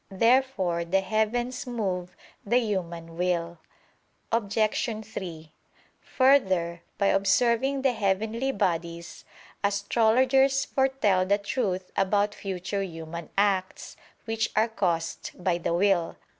Therefore the heavens move the human will. Obj. 3: Further, by observing the heavenly bodies astrologers foretell the truth about future human acts, which are caused by the will.